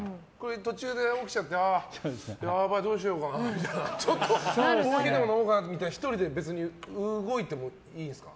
途中で起きちゃって、やばいどうしようかなみたいなコーヒーでも飲もうかなって１人で動いでもいいんですか。